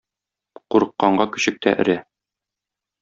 Курыкканга көчек тә өрә.